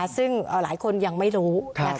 ซึ่งหลายคนยังไม่รู้